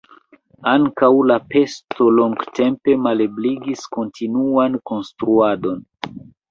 Ankaŭ la pesto longtempe malebligis kontinuan konstruadon.